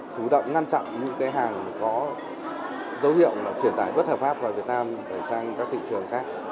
chủ động ngăn chặn những hàng có dấu hiệu truyền tải bất hợp pháp vào việt nam để sang các thị trường khác